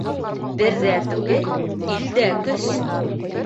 Берҙә түгел, илдә көс.